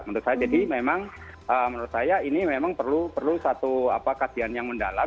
menurut saya jadi memang menurut saya ini memang perlu satu kajian yang mendalam